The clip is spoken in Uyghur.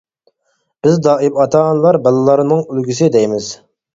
بىز دائىم ئاتا-ئانىلار بالىلارنىڭ ئۈلگىسى، دەيمىز.